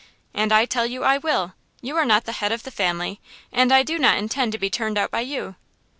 "And I tell you I will! You are not the head of the family, and I do not intend to be turned out by you!"